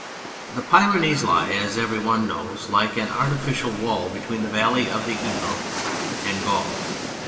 The Pyrenees lie, as every one knows, like an artificial wall between the valley of the Ebro and Gaul.